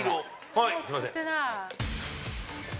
はい。